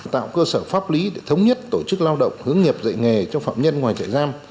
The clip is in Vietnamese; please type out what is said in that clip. tạo cơ sở pháp lý để thống nhất tổ chức lao động hướng nghiệp dạy nghề cho phạm nhân ngoài trại giam